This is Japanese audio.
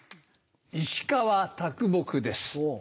石川啄木です。